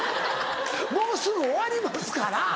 もうすぐ終わりますから！